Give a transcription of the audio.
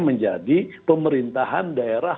menjadi pemerintahan daerah